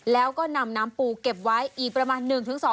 แล้วก็นำน้ำปูเก็บไว้อีกประมาณ๑๒